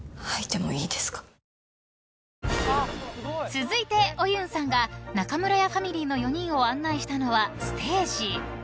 ［続いてオユンさんが中村屋ファミリーの４人を案内したのはステージ］